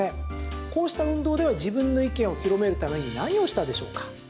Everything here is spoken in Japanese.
こうした運動では自分の意見を広めるために何をしたでしょうか？